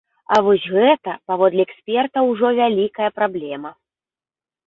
А вось гэта, паводле экспертаў, ужо вялікая праблема.